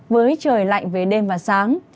với trời lạnh về đêm và sáng